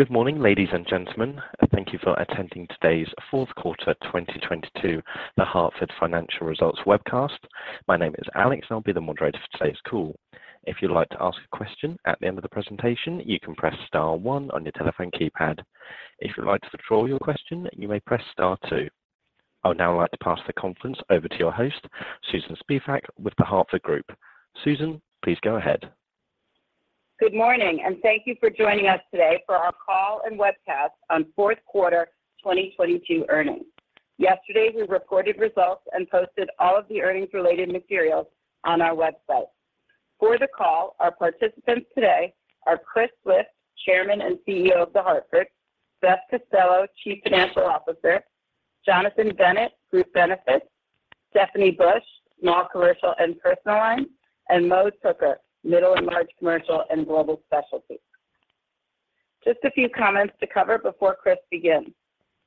Good morning, ladies and gentlemen. Thank you for attending today's Q4 2022 The Hartford Financial Results webcast. My name is Alex. I'll be the moderator for today's call. If you'd like to ask a question at the end of the presentation, you can press star one on your telephone keypad. If you'd like to withdraw your question, you may press star two. I would now like to pass the conference over to your host, Susan Spivak, with The Hartford Group. Susan, please go ahead. Good morning. Thank you for joining us today for our call and webcast on Q4 2022 Earnings. Yesterday, we reported results and posted all of the earnings-related materials on our website. For the call, our participants today are Chris Swift, Chairman and CEO of The Hartford, Beth Costello, Chief Financial Officer, Jonathan Bennett, Group Benefits, Stephanie Bush, Small Commercial and Personal Lines, and Mo Tooker, Middle and Large Commercial and Global Specialty. Just a few comments to cover before Chris begins.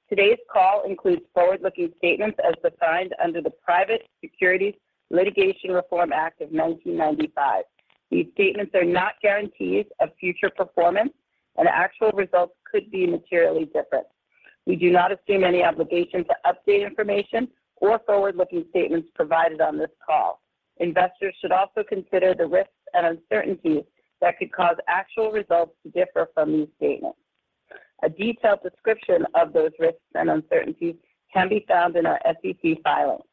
Today's call includes forward-looking statements as defined under the Private Securities Litigation Reform Act of 1995. These statements are not guarantees of future performance, and actual results could be materially different. We do not assume any obligation to update information or forward-looking statements provided on this call. Investors should also consider the risks and uncertainties that could cause actual results to differ from these statements. A detailed description of those risks and uncertainties can be found in our SEC filings.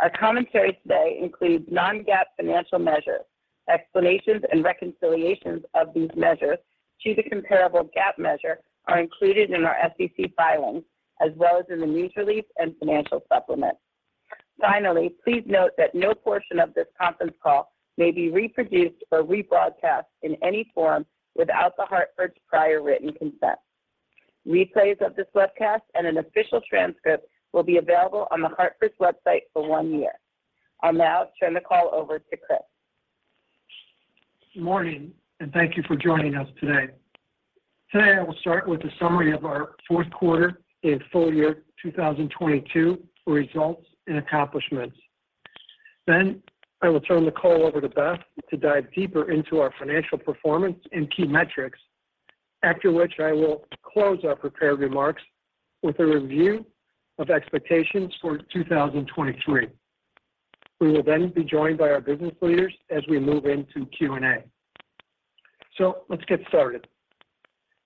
Our commentary today includes non-GAAP financial measures. Explanations and reconciliations of these measures to the comparable GAAP measure are included in our SEC filings, as well as in the news release and financial supplement. Please note that no portion of this Conference Call may be reproduced or rebroadcast in any form without The Hartford's prior written consent. Replays of this webcast and an official transcript will be available on The Hartford's website for one year. I'll now turn the call over to Chris. Morning, thank you for joining us today. Today, I will start with a summary of our Q4 and full-year 2022 results and accomplishments. I will turn the call over to Beth to dive deeper into our financial performance and key metrics, after which I will close our prepared remarks with a review of expectations for 2023. We will be joined by our business leaders as we move into Q&A. Let's get started.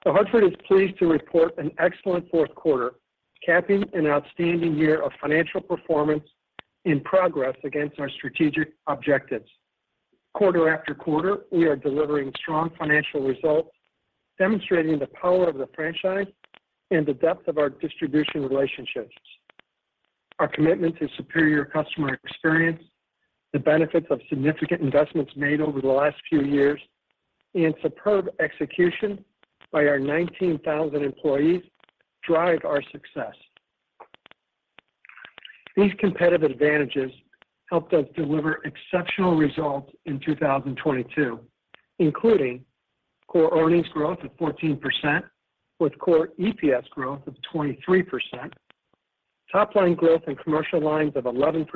The Hartford is pleased to report an excellent Q4, capping an outstanding year of financial performance and progress against our strategic objectives. Quarter after quarter, we are delivering strong financial results, demonstrating the power of the franchise and the depth of our distribution relationships. Our commitment to superior customer experience, the benefits of significant investments made over the last few years and superb execution by our 19,000 employees drive our success. These competitive advantages helped us deliver exceptional results in 2022, including core earnings growth of 14% with core EPS growth of 23%, top-line growth in commercial lines of 11%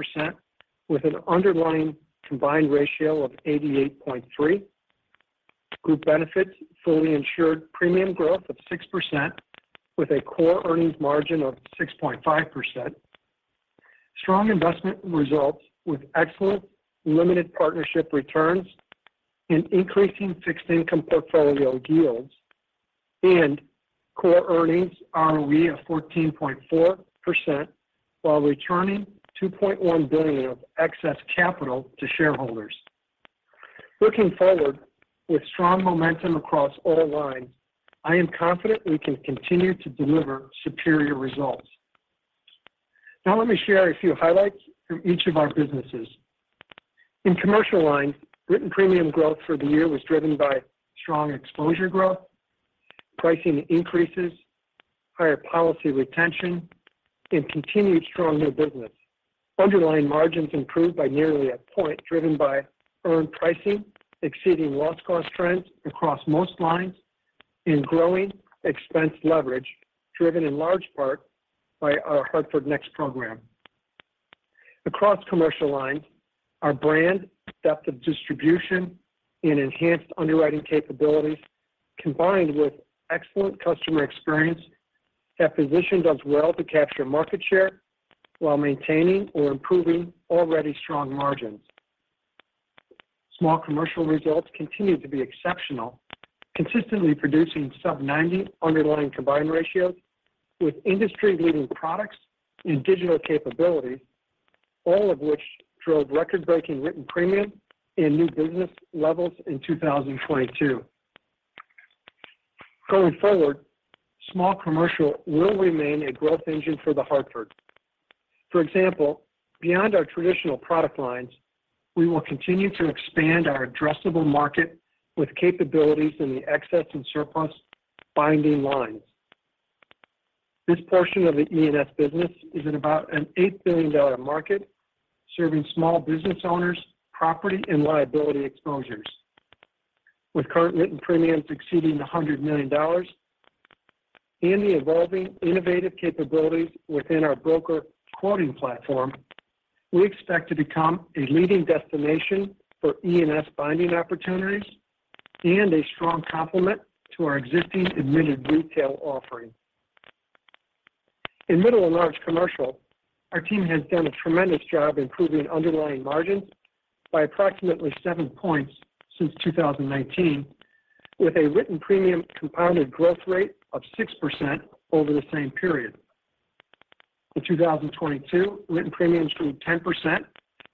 with an underlying combined ratio of 88.3. Group Benefits fully insured premium growth of 6% with a core earnings margin of 6.5%. Strong investment results with excellent limited partnership returns and increasing fixed income portfolio yields and core earnings ROE of 14.4% while returning $2.1 billion of excess capital to shareholders. Looking forward, with strong momentum across all lines, I am confident we can continue to deliver superior results. Let me share a few highlights from each of our businesses. In commercial lines, written premium growth for the year was driven by strong exposure growth, pricing increases, higher policy retention and continued strong new business. Underlying margins improved by nearly 1 point driven by earned pricing, exceeding loss cost trends across most lines in growing expense leverage, driven in large part by our Hartford NEXT program. Across commercial lines, our brand, depth of distribution and enhanced underwriting capabilities, combined with excellent customer experience, have positioned us well to capture market share while maintaining or improving already strong margins. Small commercial results continue to be exceptional, consistently producing sub 90 underlying combined ratios with industry-leading products and digital capabilities, all of which drove record-breaking written premium and new business levels in 2022. Going forward, small commercial will remain a growth engine for The Hartford. For example, beyond our traditional product lines, we will continue to expand our addressable market with capabilities in the excess and surplus binding lines. This portion of the E&S business is in about a $8 billion market serving small business owners, property and liability exposures. With current written premiums exceeding $100 million. The evolving innovative capabilities within our broker quoting platform, we expect to become a leading destination for E&S binding opportunities and a strong complement to our existing admitted retail offering. In middle and large commercial, our team has done a tremendous job improving underlying margins by approximately 7 points since 2019, with a written premium compounded growth rate of 6% over the same period. In 2022, written premiums grew 10%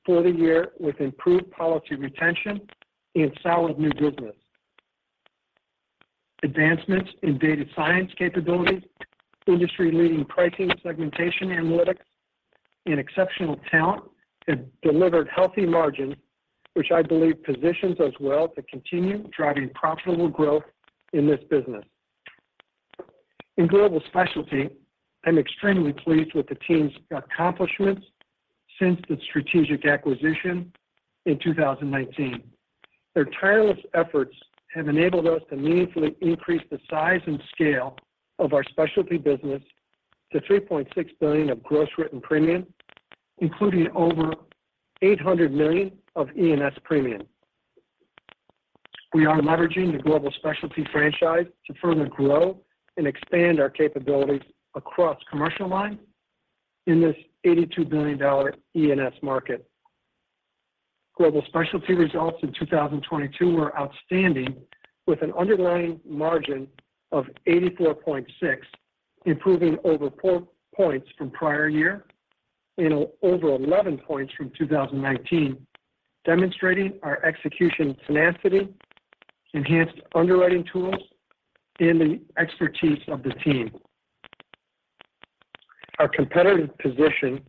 for the year with improved policy retention and solid new business. Advancements in data science capabilities, industry-leading pricing segmentation analytics, and exceptional talent have delivered healthy margins, which I believe positions us well to continue driving profitable growth in this business. In Global Specialty, I'm extremely pleased with the team's accomplishments since the strategic acquisition in 2019. Their tireless efforts have enabled us to meaningfully increase the size and scale of our specialty business to $3.6 billion of gross written premium, including over $800 million of E&S premium. We are leveraging the Global Specialty franchise to further grow and expand our capabilities across Commercial Line in this $82 billion E&S market. Global Specialty results in 2022 were outstanding with an underlying margin of 84.6, improving over 4 points from prior year and over 11 points from 2019, demonstrating our execution tenacity, enhanced underwriting tools, and the expertise of the team. Our competitive position,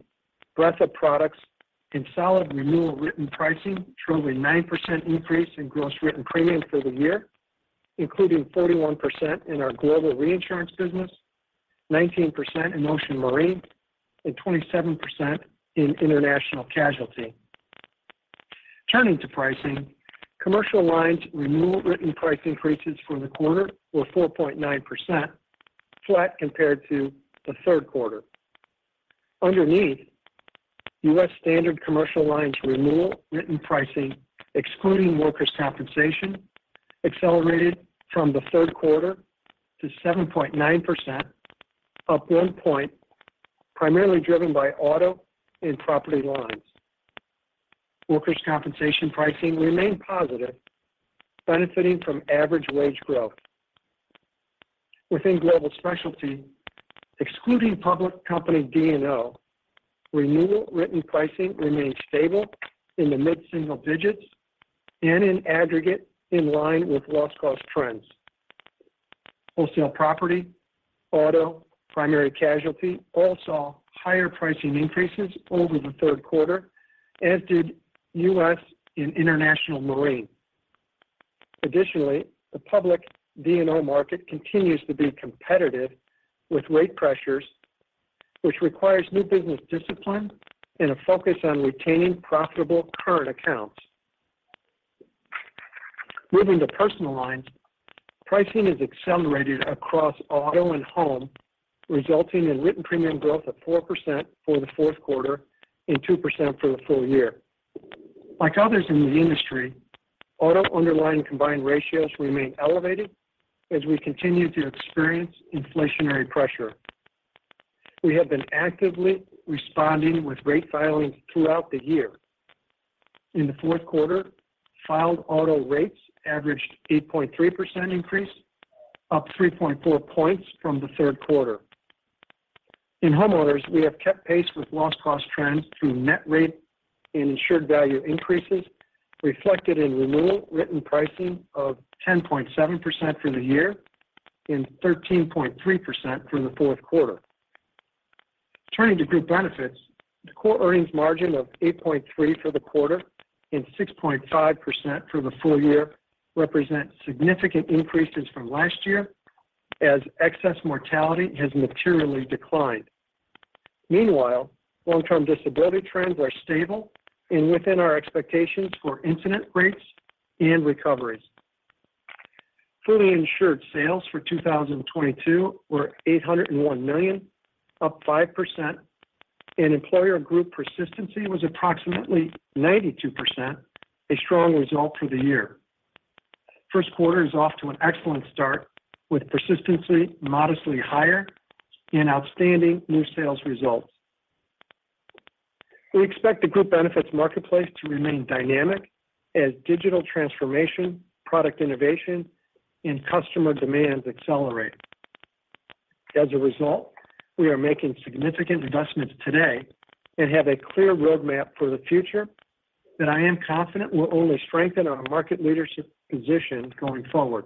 breadth of products, and solid renewal written pricing drove a 9% increase in gross written premium for the year, including 41% in our global reinsurance business, 19% in Ocean Marine, and 27% in international casualty. Turning to pricing, Commercial Lines renewal written price increases for the quarter were 4.9%, flat compared to Q3. Underneath, U.S. standard Commercial Lines renewal written pricing, excluding workers' compensation, accelerated from Q3 to 7.9%, up 1 point, primarily driven by auto and property lines. Workers' compensation pricing remained positive, benefiting from average wage growth. Within Global Specialty, excluding public company D&O, renewal written pricing remained stable in the mid-single digits and in aggregate in line with loss cost trends. Wholesale property, auto, primary casualty all saw higher pricing increases over Q3, as did U.S. and international marine. Additionally, the public D&O market continues to be competitive with rate pressures, which requires new business discipline and a focus on retaining profitable current accounts. Moving to Personal Lines, pricing has accelerated across auto and home, resulting in written premium growth of 4% for Q4 and 2% for the full year. Like others in the industry, auto underlying combined ratios remain elevated as we continue to experience inflationary pressure. We have been actively responding with rate filings throughout the year. In Q4, filed auto rates averaged 8.3% increase, up 3.4 points from Q3. In homeowners, we have kept pace with loss cost trends through net rate and insured value increases reflected in renewal written pricing of 10.7% for the year and 13.3% for Q4. Turning to Group Benefits, the core earnings margin of 8.3% for the quarter and 6.5% for the full year represent significant increases from last year as excess mortality has materially declined. Meanwhile, long-term disability trends are stable and within our expectations for incident rates and recoveries. Fully insured sales for 2022 were $801 million, up 5%, and employer group persistency was approximately 92%, a strong result for the year. Q1 is off to an excellent start with persistency modestly higher and outstanding new sales results. We expect the Group Benefits marketplace to remain dynamic as digital transformation, product innovation, and customer demands accelerate. As a result, we are making significant investments today and have a clear roadmap for the future that I am confident will only strengthen our market leadership position going forward.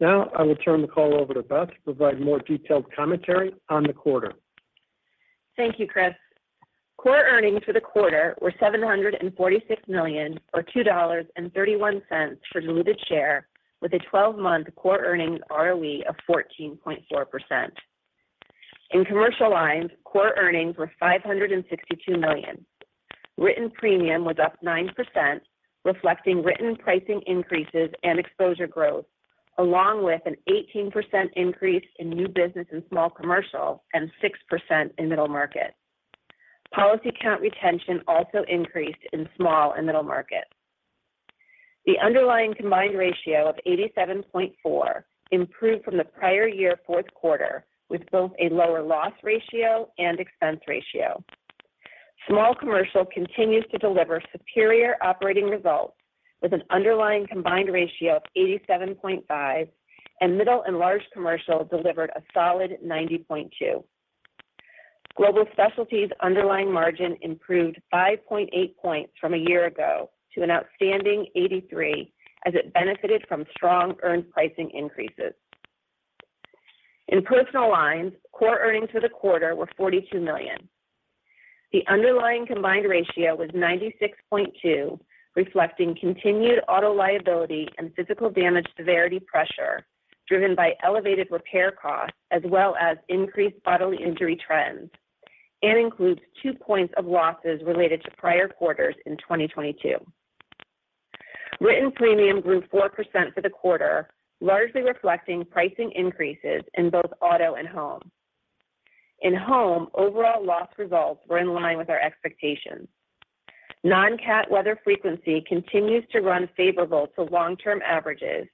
Now, I will turn the call over to Beth to provide more detailed commentary on the quarter. Thank you, Chris. Core earnings for the quarter were $746 million or $2.31 per diluted share with a 12-month core earnings ROE of 14.4%. In commercial lines, core earnings were $562 million. Written premium was up 9%, reflecting written pricing increases and exposure growth, along with an 18% increase in new business in Small Commercial and 6% in Middle Market. Policy count retention also increased in Small and Middle Market. The underlying combined ratio of 87.4 improved from the prior year Q4, with both a lower loss ratio and expense ratio. Small Commercial continues to deliver superior operating results with an underlying combined ratio of 87.5, and Middle and Large Commercial delivered a solid 90.2. Global Specialty underlying margin improved 5.8 points from a year ago to an outstanding 83 as it benefited from strong earned pricing increases. In personal lines, core earnings for the quarter were $42 million. The underlying combined ratio was 96.2, reflecting continued auto liability and physical damage severity pressure driven by elevated repair costs as well as increased bodily injury trends and includes 2 points of losses related to prior quarters in 2022. Written premium grew 4% for the quarter, largely reflecting pricing increases in both auto and home. In home, overall loss results were in line with our expectations. Non-cat weather frequency continues to run favorable to long-term averages,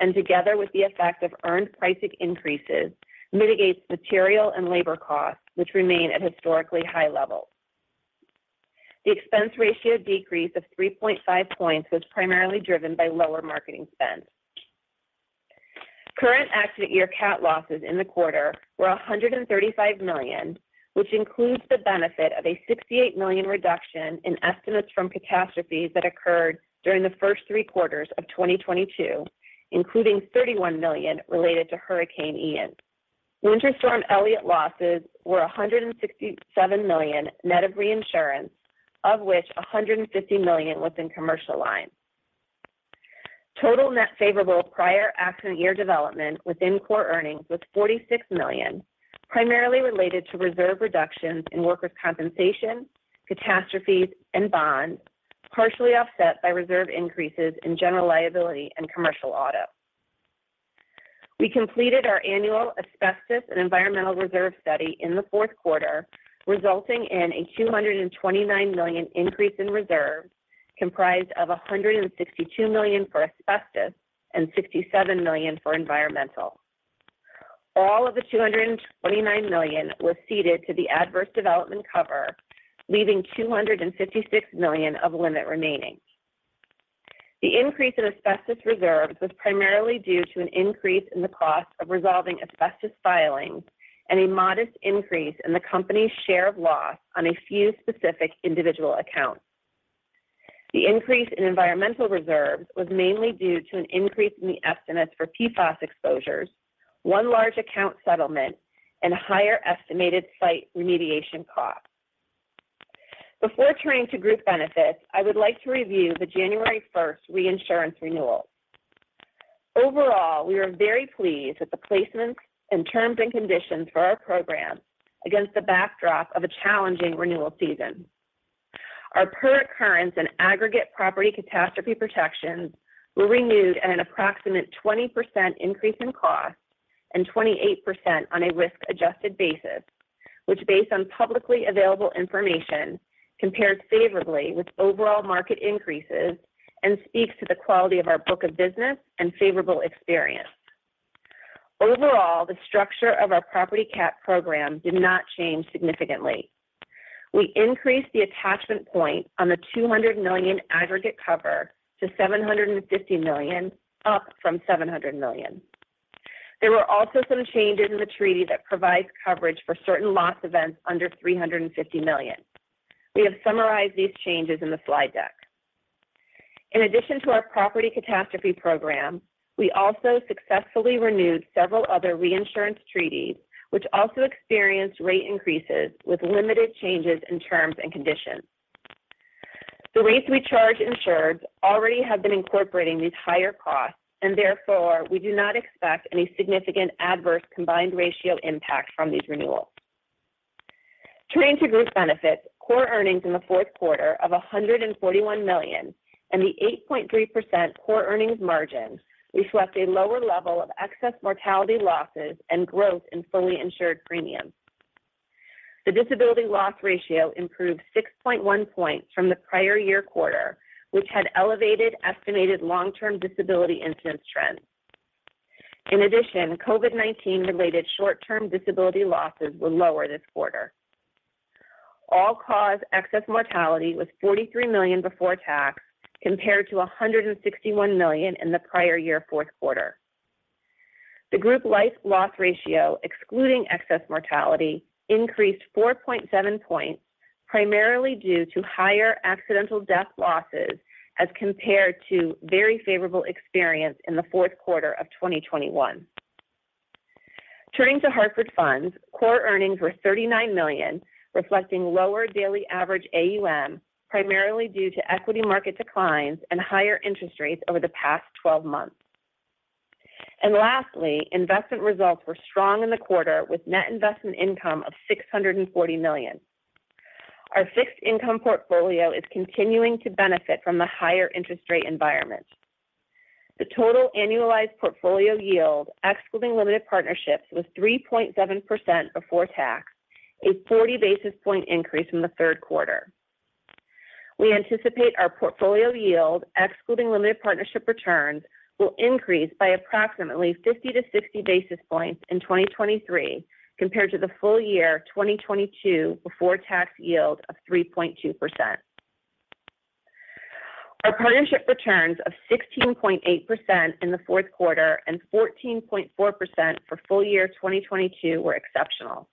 and together with the effect of earned pricing increases, mitigates material and labor costs, which remain at historically high levels. The expense ratio decrease of 3.5 points was primarily driven by lower marketing spend. Current accident year Cat losses in the quarter were $135 million, which includes the benefit of a $68 million reduction in estimates from Catastrophes that occurred during the first three quarters of 2022, including $31 million related to Hurricane Ian. Winter Storm Elliott losses were $167 million net of reinsurance, of which $150 million was in commercial lines. Total net favorable prior accident year development within core earnings was $46 million, primarily related to reserve reductions in workers' compensation, Catastrophes, and bonds, partially offset by reserve increases in general liability and commercial auto. We completed our annual asbestos and environmental reserve study in Q4, resulting in a $229 million increase in reserves comprised of $162 million for asbestos and $67 million for environmental. All of the $229 million was ceded to the adverse development cover, leaving $256 million of limit remaining. The increase in asbestos reserves was primarily due to an increase in the cost of resolving asbestos filings and a modest increase in the company's share of loss on a few specific individual accounts. The increase in environmental reserves was mainly due to an increase in the estimates for PFAS exposures, one large account settlement, and higher estimated site remediation costs. Before turning to Group Benefits, I would like to review the January 1 reinsurance renewal. Overall, we are very pleased with the placements and terms and conditions for our program against the backdrop of a challenging renewal season. Our per occurrence and aggregate property Catastrophe protections were renewed at an approximate 20% increase in cost and 28% on a risk-adjusted basis, which based on publicly available information, compared favorably with overall market increases and speaks to the quality of our book of business and favorable experience. Overall, the structure of our property cat program did not change significantly. We increased the attachment point on the $200 million aggregate cover to $750 million, up from $700 million. There were also some changes in the treaty that provides coverage for certain loss events under $350 million. We have summarized these changes in the slide deck. In addition to our property Catastrophe program, we also successfully renewed several other reinsurance treaties, which also experienced rate increases with limited changes in terms and conditions. The rates we charge insureds already have been incorporating these higher costs, therefore, we do not expect any significant adverse combined ratio impact from these renewals. Turning to Group Benefits, core earnings in Q4 of $141 million and the 8.3% core earnings margin reflect a lower level of excess mortality losses and growth in fully insured premiums. The disability loss ratio improved 6.1 points from the prior year quarter, which had elevated estimated long-term disability incidence trends. In addition, COVID-19-related short-term disability losses were lower this quarter. All-cause excess mortality was $43 million before tax compared to $161 million in the prior year Q4. The group life loss ratio, excluding excess mortality, increased 4.7 points, primarily due to higher accidental death losses as compared to very favorable experience in Q4 of 2021. Turning to Hartford Funds, core earnings were $39 million, reflecting lower daily average AUM, primarily due to equity market declines and higher interest rates over the past 12 months. Lastly, investment results were strong in the quarter with net investment income of $640 million. Our fixed-income portfolio is continuing to benefit from the higher interest rate environment. The total annualized portfolio yield, excluding limited partnerships, was 3.7% before tax, a 40 basis point increase Q3. We anticipate our portfolio yield, excluding limited partnership returns, will increase by approximately 50-60 basis points in 2023 compared to the full year 2022 before tax yield of 3.2%. Our partnership returns of 16.8% in Q4 and 14.4% for the full year 2022 were exceptional.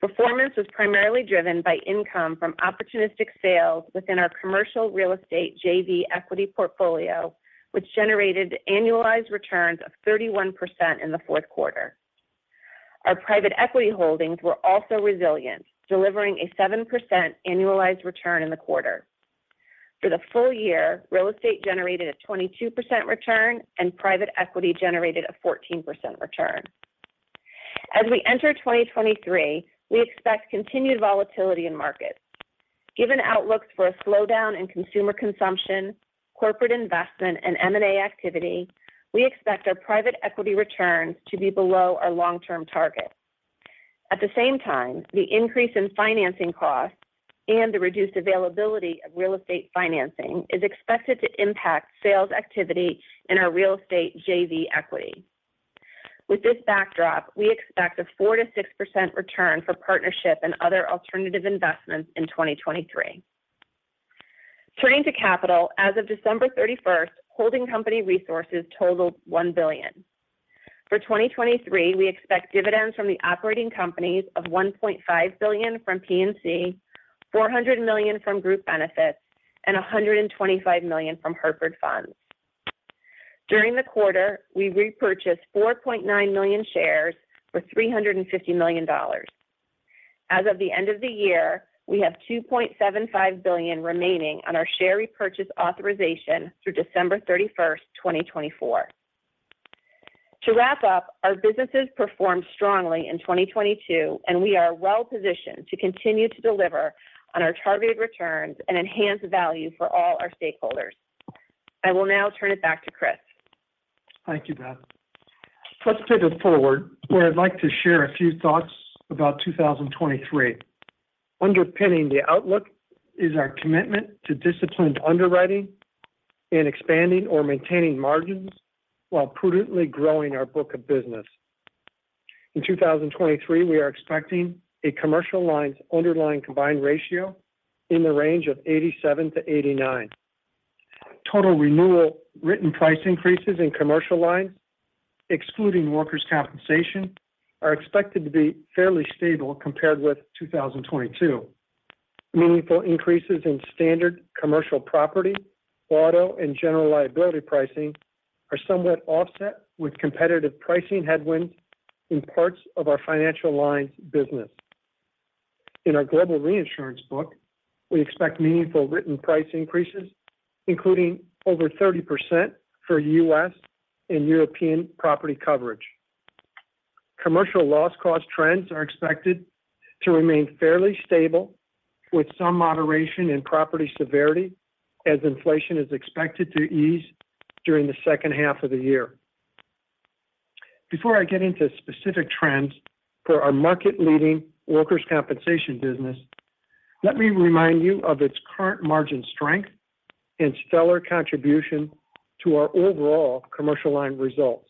Performance was primarily driven by income from opportunistic sales within our commercial real estate JV equity portfolio, which generated annualized returns of 31% in Q4. Our private equity holdings were also resilient, delivering a 7% annualized return in the quarter. For the full year, real estate generated a 22% return and private equity generated a 14% return. As we enter 2023, we expect continued volatility in markets. Given outlooks for a slowdown in consumer consumption, corporate investment, and M&A activity, we expect our private equity returns to be below our long-term target. At the same time, the increase in financing costs and the reduced availability of real estate financing is expected to impact sales activity in our real estate JV equity. With this backdrop, we expect a 4%-6% return for partnership and other alternative investments in 2023. Turning to capital, as of December 31st, holding company resources totaled $1 billion. For 2023, we expect dividends from the operating companies of $1.5 billion from PNC, $400 million from Group Benefits, and $125 million from Hartford Funds. During the quarter, we repurchased 4.9 million shares for $350 million. As of the end of the year, we have $2.75 billion remaining on our share repurchase authorization through December 31, 2024. To wrap up, our businesses performed strongly in 2022, and we are well positioned to continue to deliver on our targeted returns and enhance value for all our stakeholders. I will now turn it back to Chris. Thank you, Beth. Let's pivot forward, where I'd like to share a few thoughts about 2023. Underpinning the outlook is our commitment to disciplined underwriting and expanding or maintaining margins while prudently growing our book of business. In 2023, we are expecting a commercial lines underlying combined ratio in the range of 87%-89%. Total renewal written price increases in commercial lines, excluding workers' compensation, are expected to be fairly stable compared with 2022. Meaningful increases in standard commercial property, auto, and general liability pricing are somewhat offset with competitive pricing headwinds in parts of our financial lines business. In our global reinsurance book, we expect meaningful written price increases, including over 30% for U.S. and European property coverage. Commercial loss cost trends are expected to remain fairly stable, with some moderation in property severity as inflation is expected to ease during the second half of the year. Before I get into specific trends for our market-leading workers' compensation business, let me remind you of its current margin strength and stellar contribution to our overall commercial line results.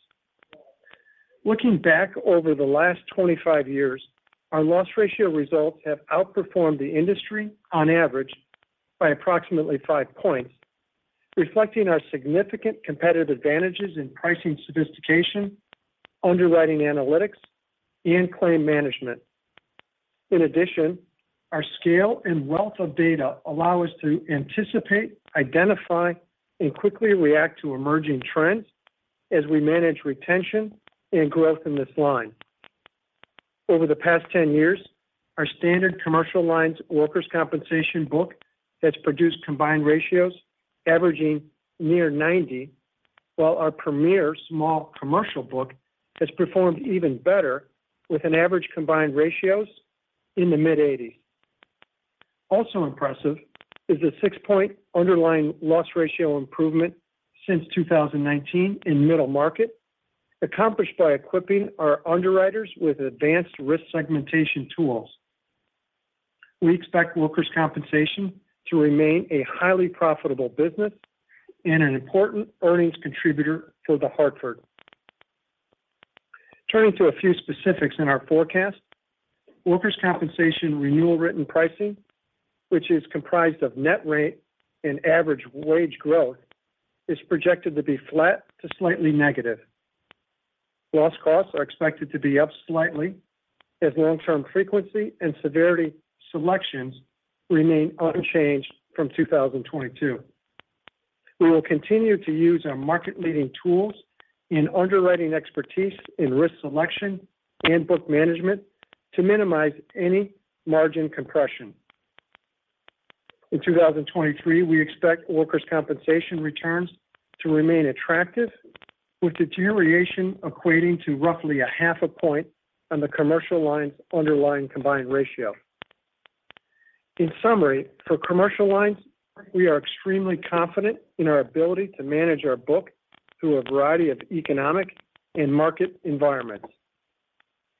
Looking back over the last 25 years, our loss ratio results have outperformed the industry on average by approximately 5 points, reflecting our significant competitive advantages in pricing sophistication, underwriting analytics, and claim management. In addition, our scale and wealth of data allow us to anticipate, identify, and quickly react to emerging trends as we manage retention and growth in this line. Over the past 10 years, our standard the commercial lines workers' compensation book has produced combined ratios averaging near 90, while our premier small commercial book has performed even better with an average combined ratio in the mid-80s. Also impressive is the 6-point underlying loss ratio improvement since 2019 in the middle market, accomplished by equipping our underwriters with advanced risk segmentation tools. We expect workers' compensation to remain a highly profitable business and an important earnings contributor for The Hartford. Turning to a few specifics in our forecast, workers' compensation renewal written pricing, which is comprised of net rate and average wage growth, is projected to be flat to slightly negative. Loss costs are expected to be up slightly as long-term frequency and severity selections remain unchanged from 2022. We will continue to use our market-leading tools and underwriting expertise in risk selection and book management to minimize any margin compression. In 2023, we expect workers' compensation returns to remain attractive with deterioration equating to roughly a half a point on the commercial lines underlying combined ratio. In summary, for the commercial lines, we are extremely confident in our ability to manage our book through a variety of economic and market environments.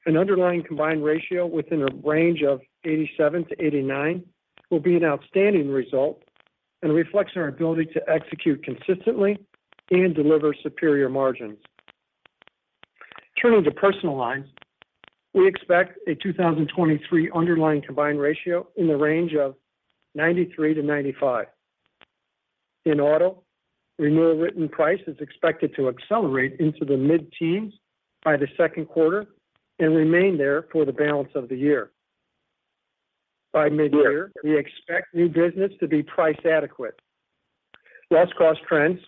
An underlying combined ratio within a range of 87-89 will be an outstanding result and reflects our ability to execute consistently and deliver superior margins. Turning to personal lines, we expect a 2023 underlying combined ratio in the range of 93-95. In auto, renewal written price is expected to accelerate into the mid-teens by Q2 and remain there for the balance of the year. By mid-year, we expect new business to be price adequate. Loss cost trends,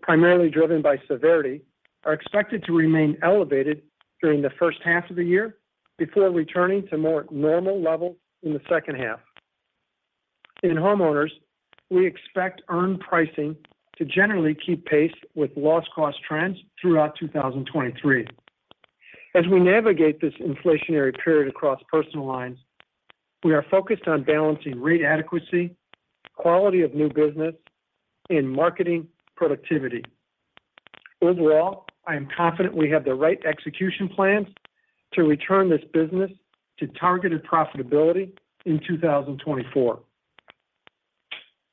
primarily driven by severity, are expected to remain elevated during the first half of the year before returning to more normal levels in the second half. In homeowners, we expect earned pricing to generally keep pace with loss cost trends throughout 2023. As we navigate this inflationary period across personal lines, we are focused on balancing rate adequacy, quality of new business, and marketing productivity. Overall, I am confident we have the right execution plans to return this business to targeted profitability in 2024.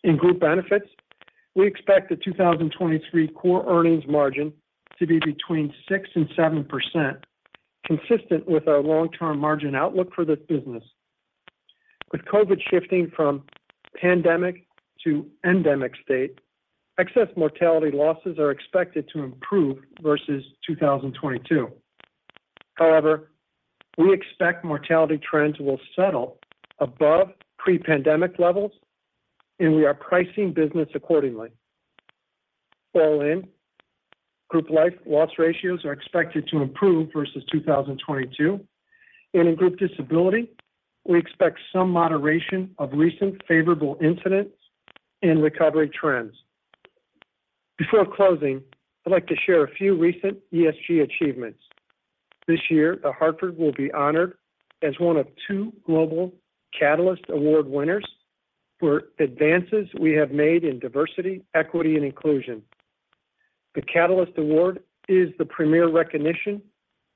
In Group Benefits, we expect the 2023 core earnings margin to be between 6% and 7%, consistent with our long-term margin outlook for this business. With COVID shifting from pandemic to endemic state, excess mortality losses are expected to improve versus 2022. We expect mortality trends will settle above pre-pandemic levels, and we are pricing business accordingly. All in, group life loss ratios are expected to improve versus 2022. In group disability, we expect some moderation of recent favorable incidents and recovery trends. Before closing, I'd like to share a few recent ESG achievements. This year, The Hartford will be honored as one of two global Catalyst Award winners for advances we have made in diversity, equity, and inclusion. The Catalyst Award is the premier recognition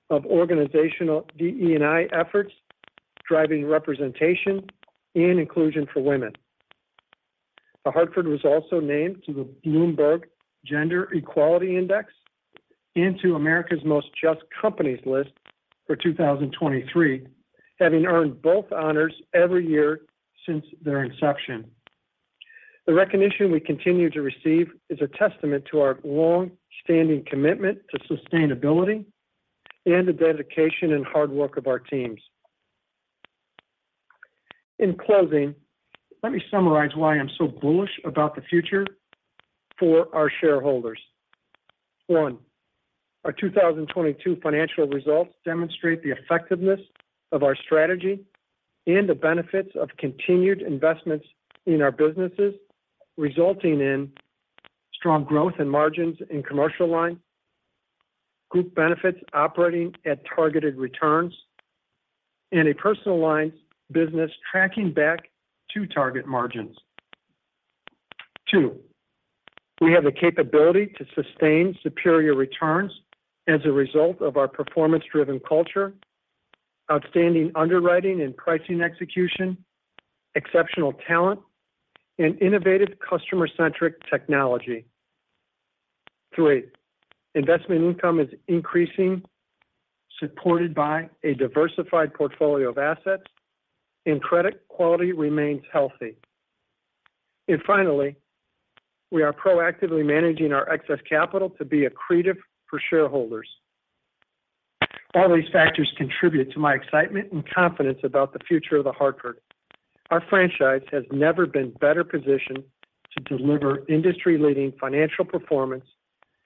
of organizational DE&I efforts driving representation and inclusion for women. The Hartford was also named to the Bloomberg Gender-Equality Index and to America's Most JUST Companies list for 2023, having earned both honors every year since their inception. The recognition we continue to receive is a testament to our long-standing commitment to sustainability and the dedication and hard work of our teams. In closing, let me summarize why I'm so bullish about the future for our shareholders. 1. Our 2022 financial results demonstrate the effectiveness of our strategy and the benefits of continued investments in our businesses, resulting in strong growth in margins in the commercial line, Group Benefits operating at targeted returns, and a personal lines business tracking back to target margins. 2. We have the capability to sustain superior returns as a result of our performance-driven culture, outstanding underwriting and pricing execution, exceptional talent, and innovative customer-centric technology. 3. Investment income is increasing, supported by a diversified portfolio of assets, and credit quality remains healthy. Finally, we are proactively managing our excess capital to be accretive for shareholders. All these factors contribute to my excitement and confidence about the future of The Hartford. Our franchise has never been better positioned to deliver industry-leading financial performance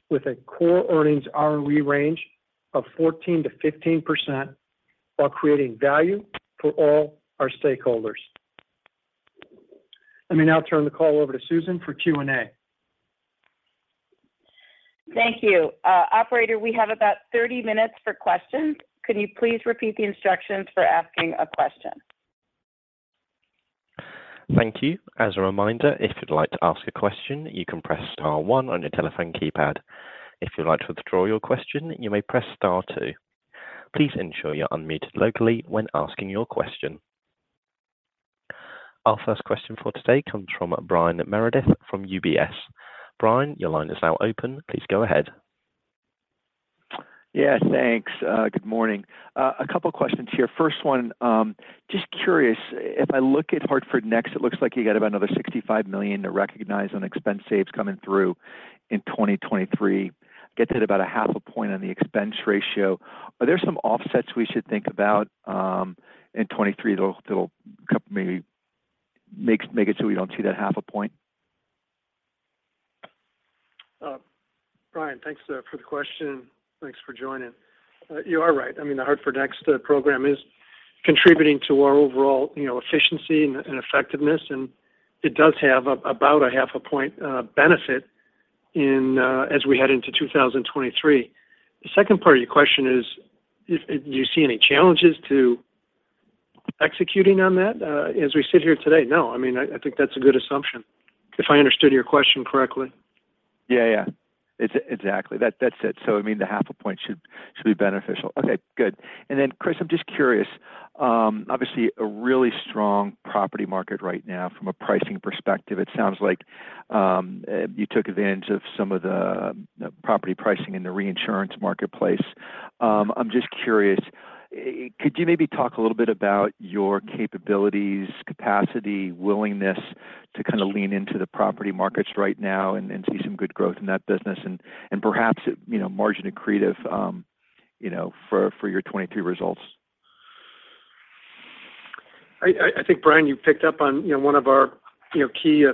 with a core earnings ROE range of 14%-15% while creating value for all our stakeholders. Let me now turn the call over to Susan for Q&A. Thank you. Operator, we have about 30 minutes for questions. Could you please repeat the instructions for asking a question? Thank you. As a reminder, if you'd like to ask a question, you can press star one on your telephone keypad. If you'd like to withdraw your question, you may press star two. Please ensure you're unmuted locally when asking your question. Our first question for today comes from Brian Meredith from UBS. Brian, your line is now open. Please go ahead. Thanks. Good morning. A couple of questions here. First one, just curious. If I look at Hartford Next, it looks like you got about another $65 million to recognize on expense saves coming through in 2023. Gets it about a half a point on the expense ratio. Are there some offsets we should think about in 2023 that'll maybe make it so we don't see that half a point? Thanks for the question. Thanks for joining. You are right. I mean, the Hartford NEXT program is contributing to our overall, you know, efficiency and effectiveness, and it does have about a half a point benefit as we head into 2023. The second part of your question is, do you see any challenges to executing on that as we sit here today? No. I mean, I think that's a good assumption if I understood your question correctly. Yeah, yeah. Exactly. That's it. I mean, the half a point should be beneficial. Okay, good. Then, Chris, I'm just curious, obviously a really strong property market right now from a pricing perspective. It sounds like you took advantage of some of the property pricing in the reinsurance marketplace. I'm just curious, could you maybe talk a little bit about your capabilities, capacity, willingness to kind of lean into the property markets right now and see some good growth in that business and, perhaps, you know, margin accretive, you know, for your 2022 results? I think, Brian, you picked up on, you know, one of our key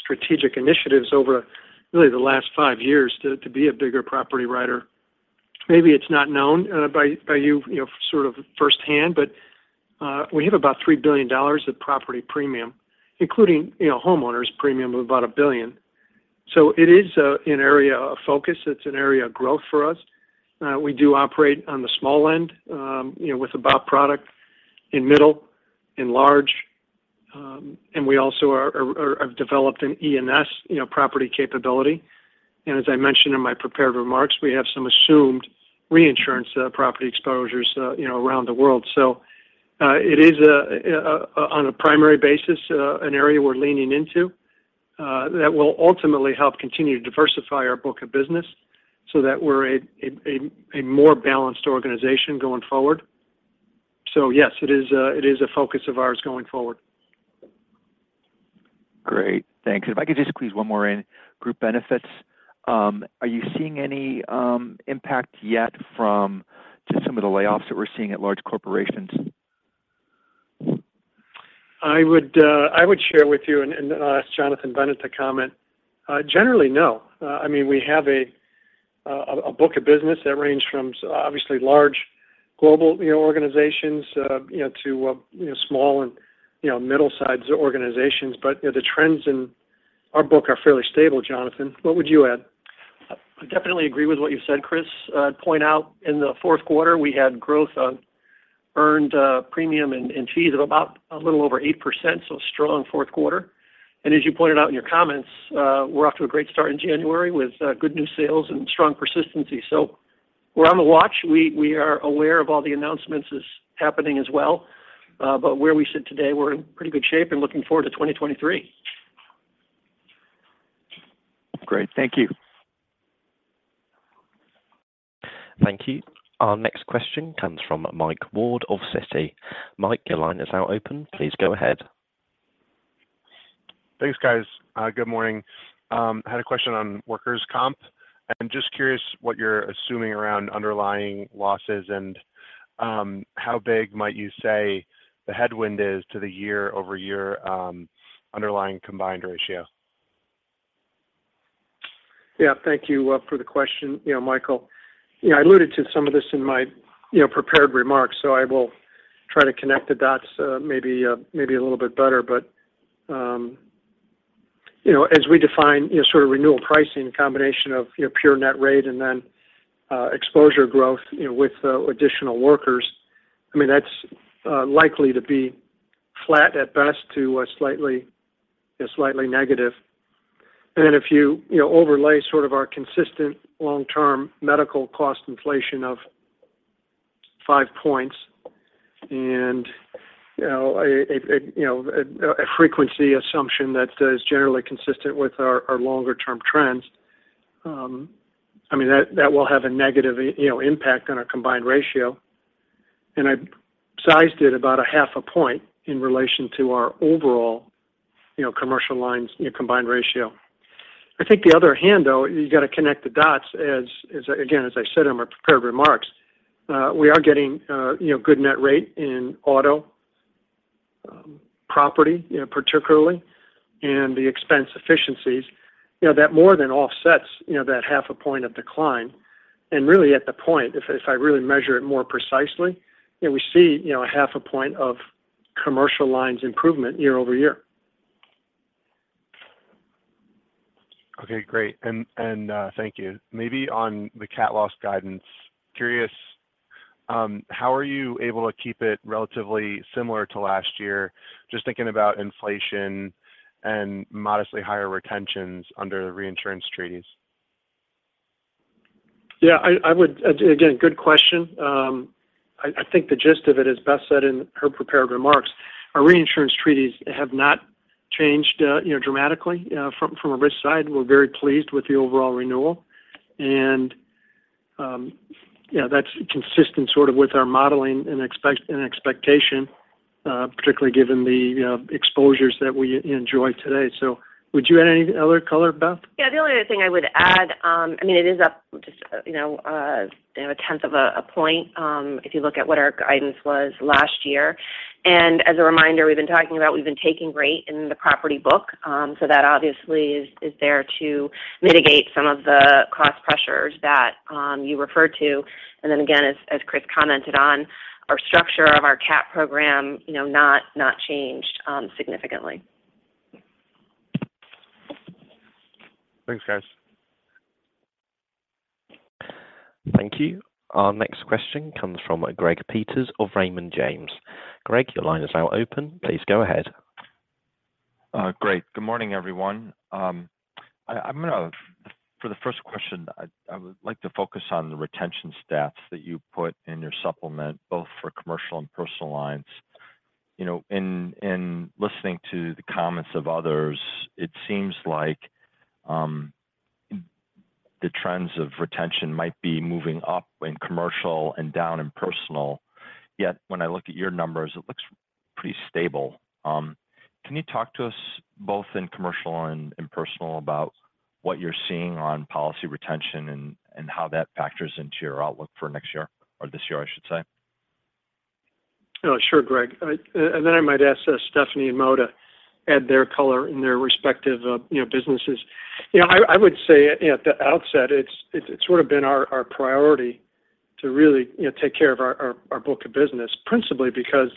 strategic initiatives over really the last five years to be a bigger property writer. Maybe it's not known by you sort of firsthand, but we have about $3 billion of property premium, including homeowners premium of about $1 billion. It is an area of focus. It's an area of growth for us. We do operate on the small end with about a product in the middle, in the large, and we also have developed an E&S property capability. As I mentioned in my prepared remarks, we have some assumed reinsurance property exposures around the world. It is a on a primary basis, an area we're leaning into, that will ultimately help continue to diversify our book of business so that we're a more balanced organization going forward. Yes, it is a focus of ours going forward. Great. Thanks. If I could just squeeze one more in. Group Benefits, are you seeing any impact yet from just some of the layoffs that we're seeing at large corporations? I would, I would share with you and ask Jonathan Bennett to comment. Generally, no. I mean, we have a book of business that range from obviously large global, you know, organizations, you know, to, you know, small and, you know, middle-sized organizations. You know, the trends in our book are fairly stable. Jonathan, what would you add? I definitely agree with what you've said, Chris. I'd point out in Q4, we had growth on earned premium and fees of about a little over 8%, so strong Q4. As you pointed out in your comments, we're off to a great start in January with good new sales and strong persistency. We're on the watch. We are aware of all the announcements is happening as well. Where we sit today, we're in pretty good shape and looking forward to 2023. Great. Thank you. Thank you. Our next question comes from Mike Ward of Citi. Mike, your line is now open. Please go ahead. Thanks, guys. good morning. I had a question on workers' comp. I'm just curious what you're assuming around underlying losses and, how big might you say the headwind is to the year-over-year, underlying combined ratio. Yeah, thank you for the question, you know, Michael. You know, I alluded to some of this in my, you know, prepared remarks, so I will try to connect the dots, maybe a little bit better. You know, as we define, you know, sort of renewal pricing combination of, you know, pure net rate and then exposure growth, you know, with additional workers, I mean, that's likely to be flat at best to a slightly negative. If you know, overlay sort of our consistent long-term medical cost inflation of 5 points and, you know, a frequency assumption that is generally consistent with our longer-term trends, I mean, that will have a negative, you know, impact on our combined ratio. I sized it about a half a point in relation to our overall, you know, commercial lines, you know, combined ratio. I think the other hand, though, you got to connect the dots as again, as I said in my prepared remarks. We are getting, you know, good net rate in auto, property, you know, particularly, and the expense efficiencies, you know, that more than offsets, you know, that half a point of decline. Really at the point, if I really measure it more precisely, you know, we see, you know, a half a point of commercial lines improvement year-over-year. Okay, great. And thank you. Maybe on the cat loss guidance, curious, how are you able to keep it relatively similar to last year? Just thinking about inflation and modestly higher retentions under reinsurance treaties. Yeah, I would again, good question. I think the gist of it is what Beth said in her prepared remarks. Our reinsurance treaties have not changed, you know, dramatically, from a risk side. We're very pleased with the overall renewal. You know, that's consistent sort of with our modeling and expectation, particularly given the, you know, exposures that we enjoy today. Would you add any other color, Beth? Yeah. The only other thing I would add, I mean, it is up just, you know, you know, a tenth of a point, if you look at what our guidance was last year. As a reminder, we've been taking rate in the property book, so that obviously is there to mitigate some of the cost pressures that you referred to. Then again, as Chris commented on our structure of our Catastrophe program, you know, not changed significantly. Thanks, guys. Thank you. Our next question comes from Greg Peters of Raymond James. Greg, your line is now open. Please go ahead. Great. For the first question, I would like to focus on the retention stats that you put in your supplement, both for commercial and personal lines. You know, in listening to the comments of others, it seems like the trends of retention might be moving up in commercial and down in personal. Yet when I look at your numbers, it looks pretty stable. Can you talk to us both in commercial and personal about what you're seeing on policy retention and how that factors into your outlook for next year or this year, I should say? Sure, Greg. And then I might ask Stephanie and Mo to add their color in their respective, you know, businesses. You know, I would say at, you know, at the outset, it's sort of been our priority to really, you know, take care of our, our book of business, principally because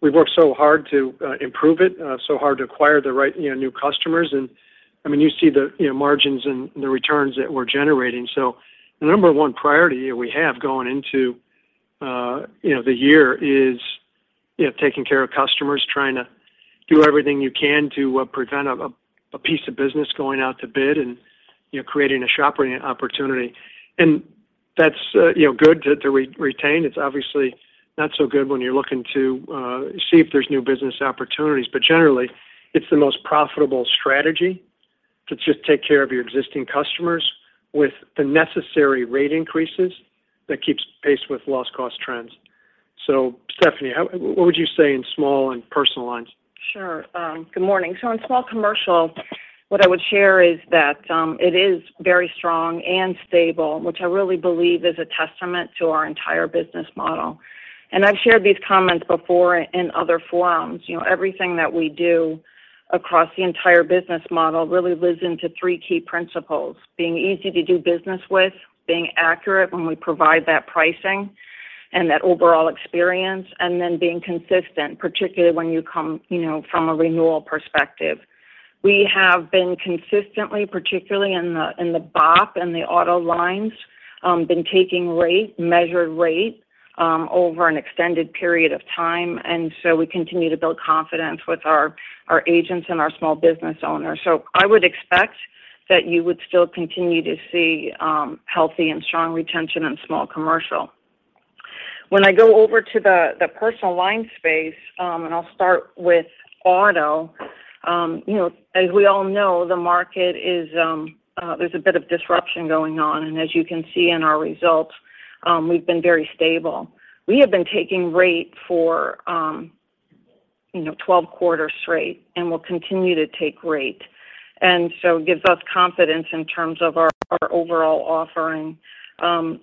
we've worked so hard to improve it, so hard to acquire the right, you know, new customers. I mean, you see the, you know, margins and the returns that we're generating. The number one priority we have going into, you know, the year is, you know, taking care of customers, trying to do everything you can to prevent a piece of business going out to bid and, you know, creating a shopping opportunity. That's, you know, good to re-retain. It's obviously not so good when you're looking to see if there's new business opportunities. Generally, it's the most profitable strategy to just take care of your existing customers with the necessary rate increases that keeps pace with loss cost trends. Stephanie, what would you say in small and personal lines? Sure, good morning. In small commercial, what I would share is that it is very strong and stable, which I really believe is a testament to our entire business model. I've shared these comments before in other forums. You know, everything that we do across the entire business model really lives into three key principles, being easy to do business with, being accurate when we provide that pricing and that overall experience, and then being consistent, particularly when you come, you know, from a renewal perspective. We have been consistently, particularly in the, in the BOP and the auto lines, been taking rate, measured rate, over an extended period of time. We continue to build confidence with our agents and our small business owners. I would expect that you would still continue to see healthy and strong retention in small commercial. When I go over to the Personal Lines space, and I'll start with auto, you know, as we all know, the market is there's a bit of disruption going on. As you can see in our results, we've been very stable. We have been taking rate for, you know, 12 quarters straight, and we'll continue to take rate. It gives us confidence in terms of our overall offering.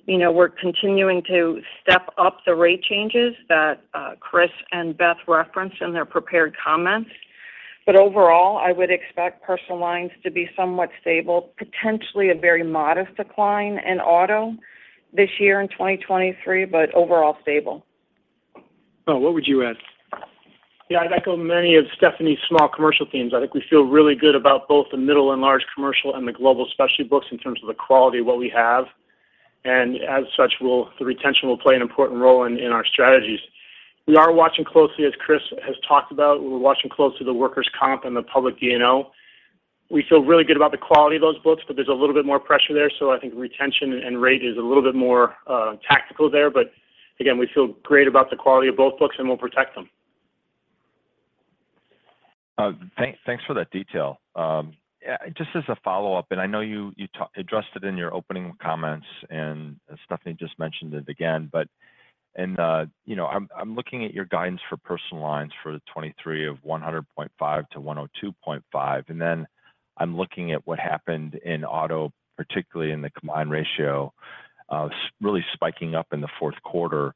You know, we're continuing to step up the rate changes that Chris and Beth referenced in their prepared comments. Overall, I would expect Personal Lines to be somewhat stable, potentially a very modest decline in auto this year in 2023, but overall stable. Mo, what would you add? Yeah, I'd echo many of Stephanie's small commercial teams. I think we feel really good about both the middle and large commercial and the Global Specialty books in terms of the quality of what we have. As such, the retention will play an important role in our strategies. We are watching closely, as Chris has talked about, we're watching closely the workers' comp and the public D&O. We feel really good about the quality of those books. There's a little bit more pressure there. I think retention and rate is a little bit more tactical there. Again, we feel great about the quality of both books, and we'll protect them. Thanks for that detail. Just as a follow-up, I know you addressed it in your opening comments, and Stephanie just mentioned it again. You know, I'm looking at your guidance for Personal Lines for 2023 of 100.5% to 102.5%. Then I'm looking at what happened in auto, particularly in the combined ratio, really spiking up in Q4.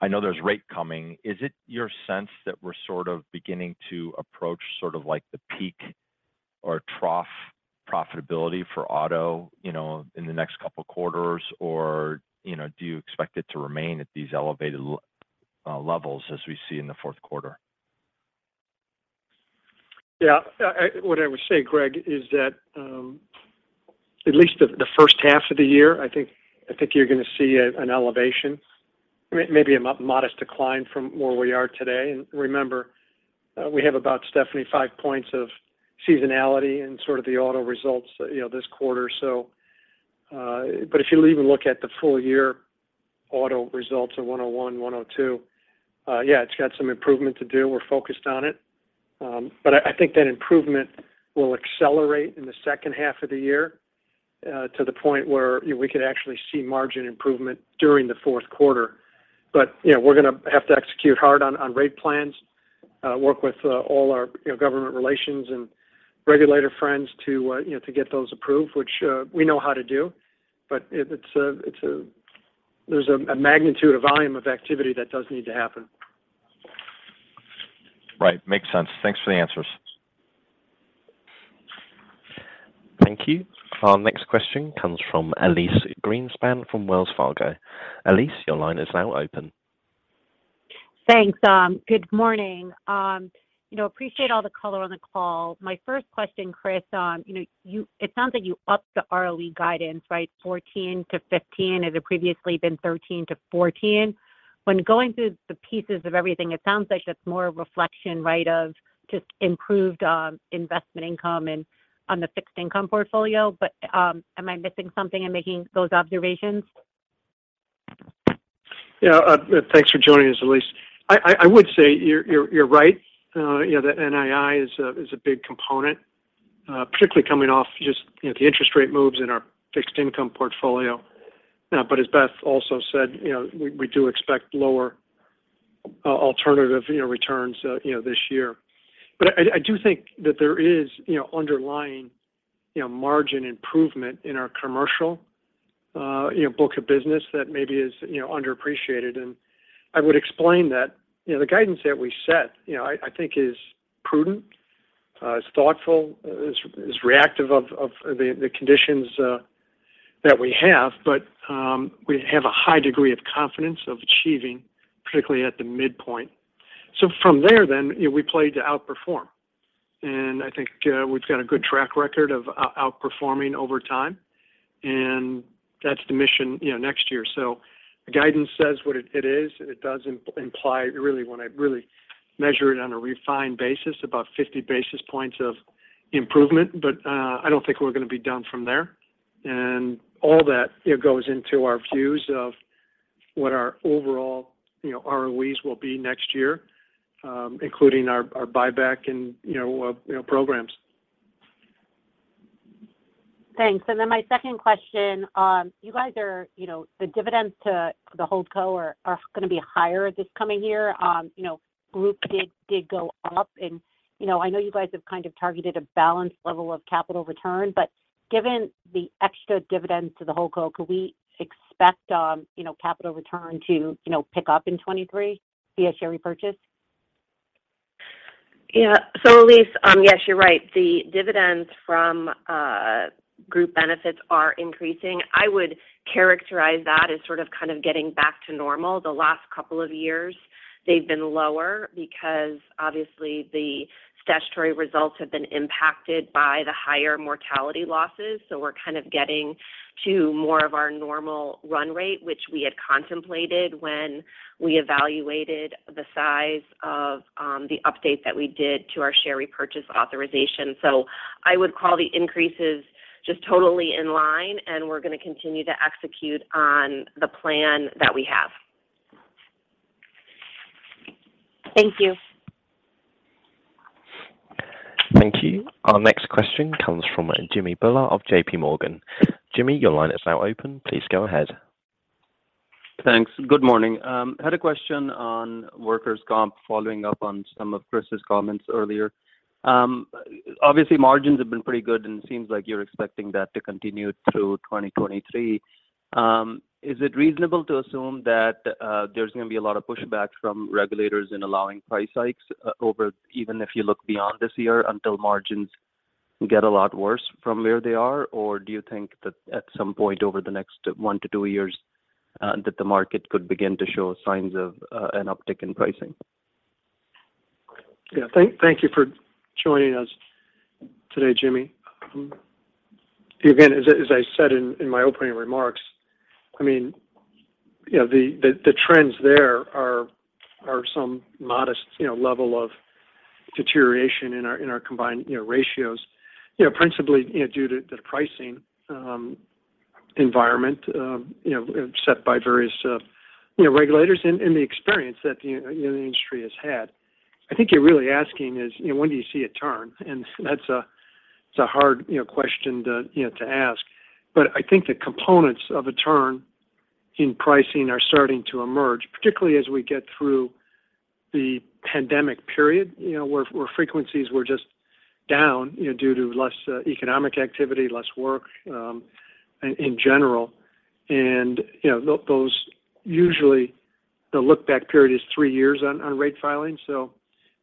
I know there's rate coming. Is it your sense that we're sort of beginning to approach sort of like the peak or trough profitability for auto, you know, in the next couple quarters, or, you know, do you expect it to remain at these elevated levels as we see in Q4? Yeah. What I would say, Greg, is that, at least the first half of the year, I think you're gonna see an elevation, maybe a modest decline from where we are today. Remember, we have about Stephanie, 5 points of seasonality in sort of the auto results, you know, this quarter. If you even look at the full year auto results of 101, 102, yeah, it's got some improvement to do. We're focused on it. I think that improvement will accelerate in the second half of the year, to the point where, you know, we could actually see margin improvement during Q4. You know, we're gonna have to execute hard on rate plans. Work with all our government relations and regulator friends to, you know, to get those approved, which we know how to do. There's a magnitude, a volume of activity that does need to happen. Right. Makes sense. Thanks for the answers. Thank you. Our next question comes from Elyse Greenspan from Wells Fargo. Elyse, your line is now open. Thanks. Good morning. You know, appreciate all the color on the call. My first question, Chris, you know, it sounds like you upped the ROE guidance, right, 14%-15%. It had previously been 13%-14%. When going through the pieces of everything, it sounds like that's more a reflection, right, of just improved investment income and on the fixed income portfolio. Am I missing something in making those observations? Yeah. Thanks for joining us, Elyse. I would say you're right. you know, the NII is a big component, particularly coming off just, you know, the interest rate moves in our fixed income portfolio. as Beth also said, you know, we do expect lower alternative, you know, returns, you know, this year. I do think that there is, you know, underlying, you know, margin improvement in our commercial, you know, book of business that maybe is, you know, underappreciated. I would explain that, you know, the guidance that we set, you know, I think is prudent, is thoughtful, is reactive of the conditions that we have. we have a high degree of confidence of achieving, particularly at the midpoint. From there then, you know, we play to outperform. I think, we've got a good track record of outperforming over time, and that's the mission, you know, next year. The guidance says what it is, and it does imply really when I really measure it on a refined basis, about 50 basis points of improvement. I don't think we're going to be done from there. All that, you know, goes into our views of what our overall, you know, ROEs will be next year, including our buyback and, you know, programs. Thanks. Then my second question, you guys are, you know, the dividends to the hold co are going to be higher this coming year. You know, Group did go up and, you know, I know you guys have kind of targeted a balanced level of capital return, but given the extra dividends to the hold co, could we expect, you know, capital return to, you know, pick up in 2023 via share repurchase? Yeah. Elyse, yes, you're right. The dividends from Group Benefits are increasing. I would characterize that as sort of kind of getting back to normal. The last couple of years they've been lower because obviously the statutory results have been impacted by the higher mortality losses. We're kind of getting to more of our normal run rate, which we had contemplated when we evaluated the size of the update that we did to our share repurchase authorization. I would call the increases just totally in line, and we're going to continue to execute on the plan that we have. Thank you. Thank you. Our next question comes from Jimmy Bhullar of JPMorgan. Jimmy, your line is now open. Please go ahead. Thanks. Good morning. Had a question on workers' comp, following up on some of Chris's comments earlier. Obviously margins have been pretty good, and it seems like you're expecting that to continue through 2023. Is it reasonable to assume that, there's going to be a lot of pushback from regulators in allowing price hikes over even if you look beyond this year until margins get a lot worse from where they are? Or do you think that at some point over the next 1 to 2 years, that the market could begin to show signs of, an uptick in pricing? Yeah. Thank you for joining us today, Jimmy. Again, as I said in my opening remarks, I mean, you know, the trends there are some modest, you know, level of deterioration in our combined, you know, ratios. You know, principally, you know, due to the pricing environment, you know, set by various, you know, regulators and the experience that the industry has had. I think you're really asking is, you know, when do you see a turn? That's a hard, you know, question to, you know, ask. I think the components of a turn in pricing are starting to emerge, particularly as we get through the pandemic period, you know, where frequencies were just down, you know, due to less economic activity, less work in general. You know, those usually the look-back period is three years on rate filings.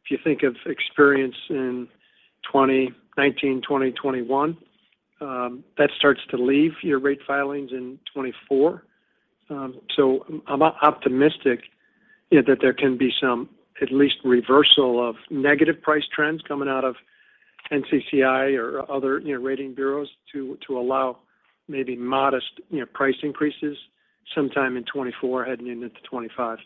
If you think of experience in 2019, 2020, 2021, that starts to leave your rate filings in 2024. I'm optimistic, you know, that there can be some at least reversal of negative price trends coming out of NCCI or other, you know, rating bureaus to allow maybe modest, you know, price increases sometime in 2024 heading into 2025.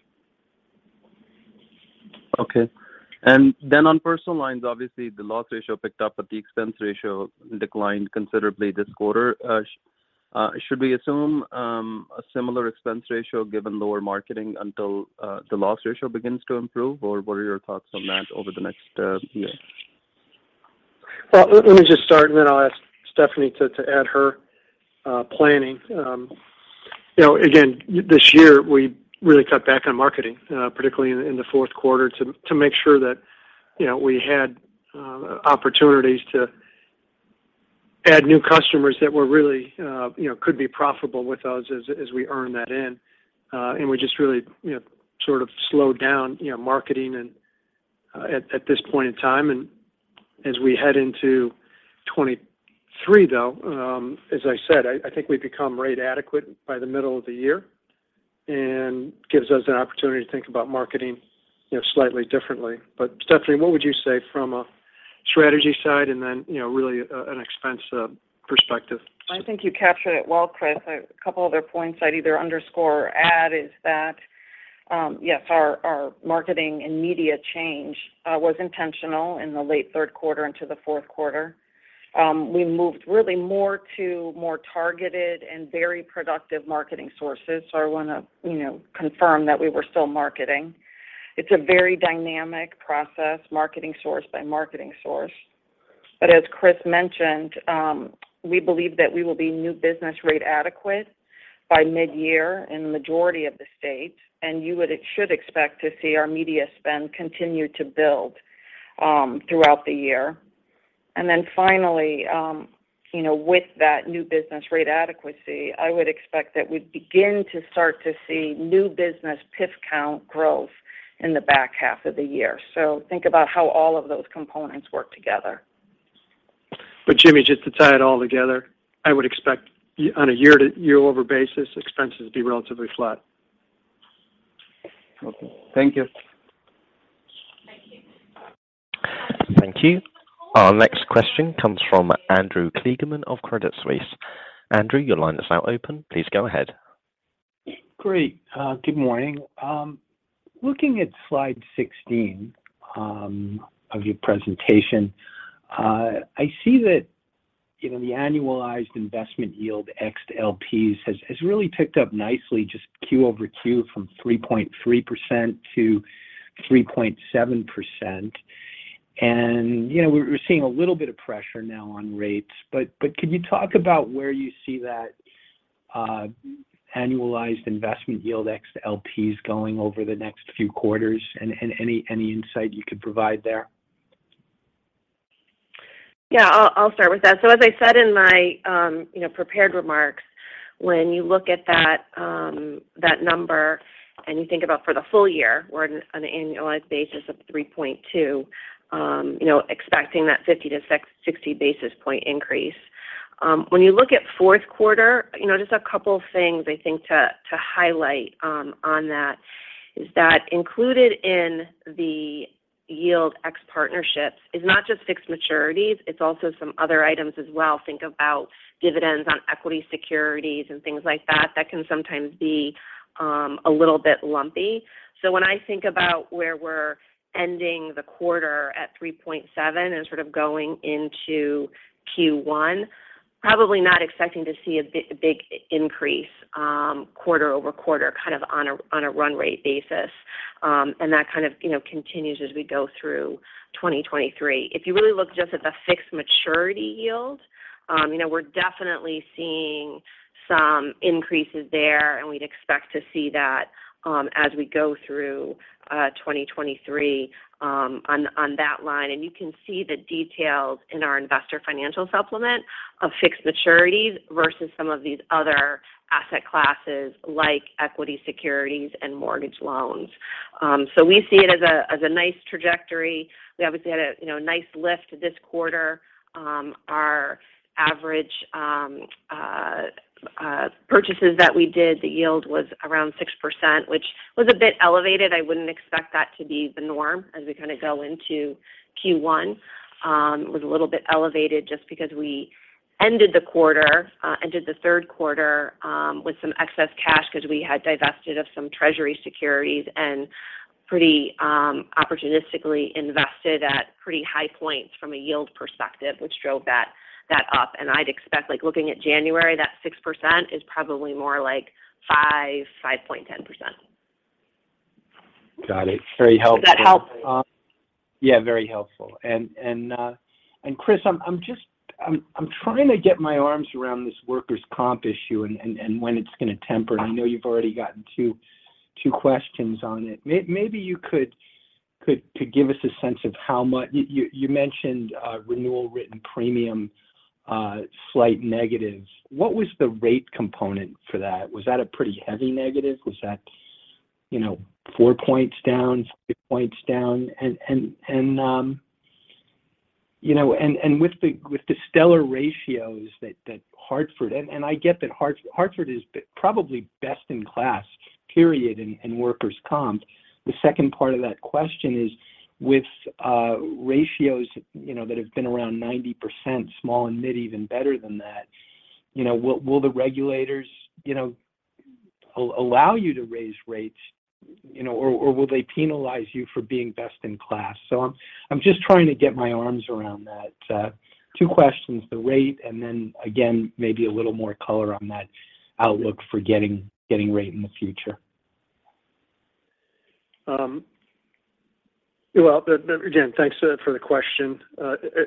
Okay. On personal lines, obviously the loss ratio picked up, but the expense ratio declined considerably this quarter. Should we assume a similar expense ratio given lower marketing until the loss ratio begins to improve? What are your thoughts on that over the next year? Well, let me just start, and then I'll ask Stephanie to add her planning. You know, again, this year we really cut back on marketing, particularly in Q4 to make sure that, you know, we had opportunities to add new customers that were really, you know, could be profitable with us as we earn that in. And we just really, you know, sort of slowed down, you know, marketing and at this point in time. As we head into 2023 though, as I said, I think we become rate adequate by the middle of the year and gives us an opportunity to think about marketing, you know, slightly differently. Stephanie, what would you say from a strategy side and then, you know, really an expense perspective? I think you captured it well, Chris. A couple other points I'd either underscore or add is that, yes, our marketing and media change was intentional in the late Q3 into Q4. We moved really more to more targeted and very productive marketing sources. I wanna, you know, confirm that we were still marketing. It's a very dynamic process, marketing source by marketing source. As Chris mentioned, we believe that we will be new business rate adequate by mid-year in the majority of the states, and you should expect to see our media spend continue to build throughout the year. Finally, you know, with that new business rate adequacy, I would expect that we'd begin to start to see new business PIF count growth in the back half of the year. Think about how all of those components work together. Jimmy, just to tie it all together, I would expect on a year-over-year basis, expenses to be relatively flat. Okay. Thank you. Thank you. Our next question comes from Andrew Kligman of Credit Suisse. Andrew, your line is now open. Please go ahead. Great. Good morning. Looking at slide 16 of your presentation, I see that, you know, the annualized investment yield ex LPs has really picked up nicely just Q over Q from 3.3% to 3.7%. You know, we're seeing a little bit of pressure now on rates, but can you talk about where you see that annualized investment yield ex LPs going over the next few quarters and any insight you could provide there? Yeah. I'll start with that. As I said in my, you know, prepared remarks, when you look at that number and you think about for the full year, we're on an annualized basis of 3.2, you know, expecting that 50-60 basis point increase. When you look at Q4, you know, just a couple things I think to highlight on that is that included in the yield ex partnerships is not just fixed maturities, it's also some other items as well. Think about dividends on equity securities and things like that can sometimes be a little bit lumpy. When I think about where we're ending the quarter at 3.7% and sort of going into Q1, probably not expecting to see a big increase quarter-over-quarter kind of on a run rate basis. That kind of, you know, continues as we go through 2023. If you really look just at the fixed maturity yield, you know, we're definitely seeing some increases there, and we'd expect to see that as we go through 2023 on that line. You can see the details in our investor financial supplement of fixed maturities versus some of these other asset classes like equity securities and mortgage loans. We see it as a nice trajectory. We obviously had a, you know, nice lift this quarter. Our average purchases that we did, the yield was around 6%, which was a bit elevated. I wouldn't expect that to be the norm as we kind of go into Q1. It was a little bit elevated just because we ended the quarter, ended Q3, with some excess cash 'cause we had divested of some treasury securities and pretty opportunistically invested at pretty high points from a yield perspective, which drove that up. I'd expect, like, looking at January, that 6% is probably more like 5.10%. Got it. Very helpful. Does that help? Yeah, very helpful. Chris, I'm trying to get my arms around this workers' comp issue and when it's gonna temper. I know you've already gotten two questions on it. Maybe you could give us a sense of how you mentioned renewal written premium, slight negatives. What was the rate component for that? Was that a pretty heavy negative? Was that, you know, 4 points down, 6 points down? With the stellar ratios that Hartford... I get that Hartford is probably best in class, period, in workers' comp. The second part of that question is with ratios, you know, that have been around 90%, small and mid even better than that, you know, will the regulators, you know, allow you to raise rates, you know, or will they penalize you for being best in class? I'm just trying to get my arms around that. Two questions, the rate and then again, maybe a little more color on that outlook for getting rate in the future. Well, again, thanks for the question.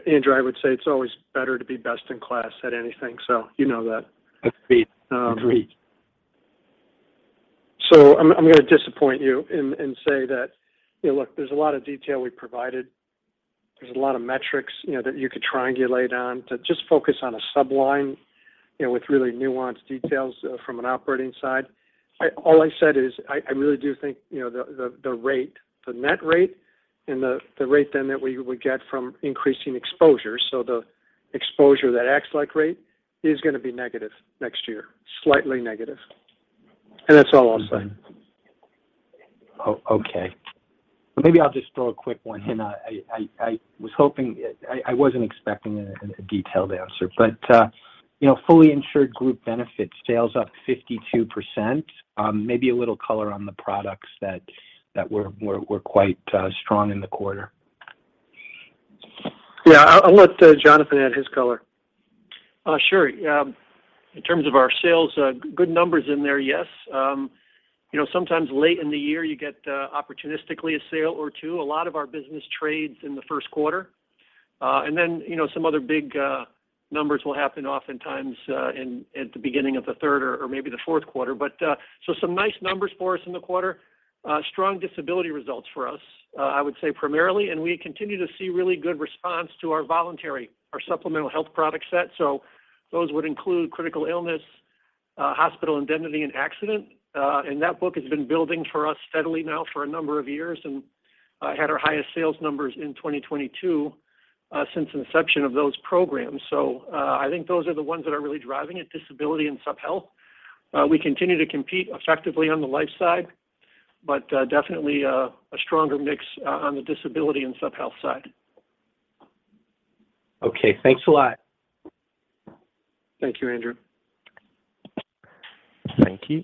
Andrew, I would say it's always better to be best in class at anything, you know that. Agreed. Agreed. I'm gonna disappoint you and say that, you know, look, there's a lot of detail we provided. There's a lot of metrics, you know, that you could triangulate on to just focus on a sub-line, you know, with really nuanced details from an operating side. All I said is I really do think, you know, the rate, the net rate and the rate then that we would get from increasing exposure, so the exposure that acts like rate is gonna be negative next year, slightly negative. That's all I'll say. Okay. Maybe I'll just throw a quick one in. I was hoping. I wasn't expecting a detailed answer, but, you know, fully insured Group Benefits sales up 52%. Maybe a little color on the products that were quite strong in the quarter? Yeah. I'll let Jonathan add his color. Sure. Yeah. In terms of our sales, good numbers in there, yes. You know, sometimes late in the year, you get opportunistically a sale or two. A lot of our business trades in the Q1. You know, some other big numbers will happen oftentimes at the beginning of the third or maybe Q4. Some nice numbers for us in the quarter. Strong disability results for us, I would say primarily, and we continue to see really good response to our voluntary, our supplemental health product set. Those would include critical illness, hospital indemnity and accident. That book has been building for us steadily now for a number of years, and had our highest sales numbers in 2022 since inception of those programs. I think those are the ones that are really driving it, disability and sub health. We continue to compete effectively on the life side, but, definitely, a stronger mix, on the disability and sub-healthy side. Okay, thanks a lot. Thank you, Andrew. Thank you.